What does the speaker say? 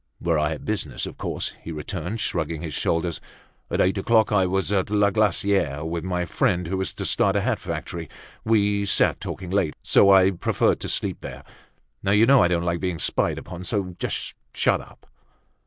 "Where I had business, of course," he returned shrugging his shoulders. "At eight o'clock, I was at La Glaciere, with my friend who is to start a hat factory. We sat talking late, so I preferred to sleep there. Now, you know, I don't like being spied upon, so just shut up!"